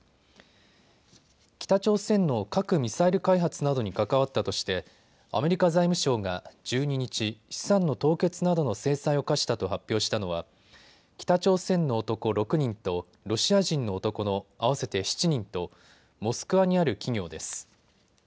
北朝鮮の核・ミサイル開発などに関わったとしてアメリカ財務省が１２日、資産の凍結などの制裁を科したと発表したのは北朝鮮の男６人とロシア人の男の合わせて７人とモスクワにある企業です。